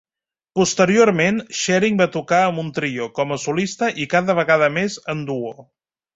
Posteriorment, Shearing va tocar amb un trio, com a solista i cada vegada més en duo.